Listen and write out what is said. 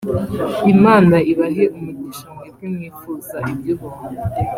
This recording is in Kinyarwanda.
“Imana ibahe umugisha mwebwe mwifuza iby’ubuntu